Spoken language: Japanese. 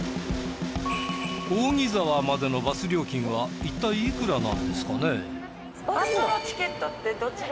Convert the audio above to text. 扇沢までのバス料金はいったいいくらなんですかね。